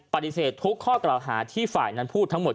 ปฏิเสธทุกข้อกล่าวหาที่ฝ่ายนั้นพูดทั้งหมด